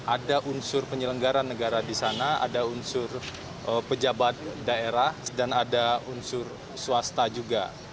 ada unsur penyelenggara negara di sana ada unsur pejabat daerah dan ada unsur swasta juga